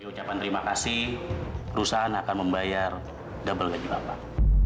terima kasih perusahaan akan membayar double gaji bapak